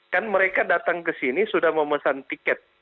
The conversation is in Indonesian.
kan mereka datang kesini sudah memesan tiket